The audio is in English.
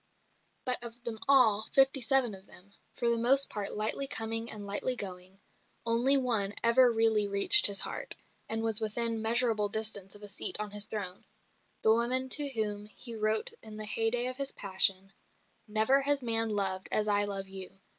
But of them all, fifty seven of them for the most part lightly coming and lightly going only one ever really reached his heart, and was within measurable distance of a seat on his throne the woman to whom he wrote in the hey day of his passion, "Never has man loved as I love you.